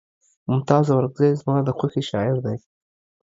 ممتاز اورکزے زما د خوښې شاعر دے